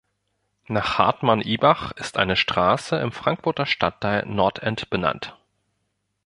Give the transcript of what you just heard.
Nach Hartmann Ibach ist eine Straße im Frankfurter Stadtteil Nordend benannt.